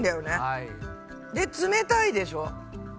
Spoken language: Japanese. で冷たいでしょ。